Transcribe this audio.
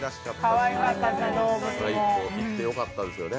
行って良かったですよね